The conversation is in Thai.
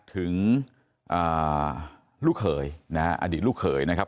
ถึงลูกเขยนะฮะอดีตลูกเขยนะครับ